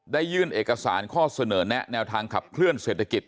ยื่นเอกสารข้อเสนอแนะแนวทางขับเคลื่อนเศรษฐกิจ